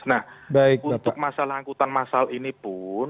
nah untuk masalah angkutan masal ini pun